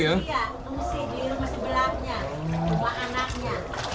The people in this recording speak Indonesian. iya ngungsi di rumah sebelahnya